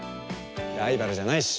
ライバルじゃないし。